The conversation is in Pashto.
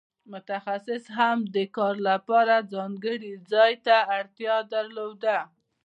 متخصص هم د کار لپاره ځانګړي ځای ته اړتیا درلوده.